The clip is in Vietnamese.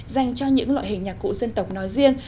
dành cho những loại hình nhạc cụ dân tộc nói riêng